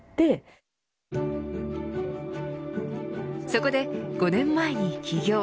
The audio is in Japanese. そこで、５年前に起業。